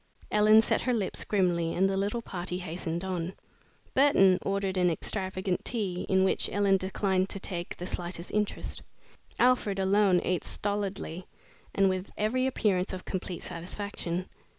Ellen set her lips grimly and the little party hastened on. Burton ordered an extravagant tea, in which Ellen declined to take the slightest interest. Alfred alone ate stolidly and with every appearance of complete satisfaction.